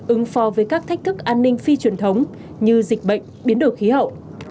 ứng phó với các thách thức an ninh phi truyền thống như dịch bệnh biến đổi khí hậu